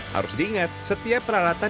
harus diingat setiap peralatan